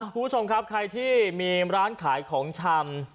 คุณผู้ชมครับใครที่มีร้านขายของชำ